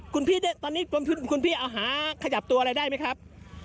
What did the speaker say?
คุณพี่ตอนนี้คุณพี่เอาหาขยับตัวอะไรได้ไหมครับ